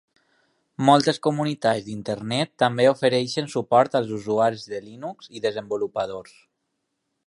Moltes comunitats d'Internet també ofereixen suport als usuaris de Linux i desenvolupadors.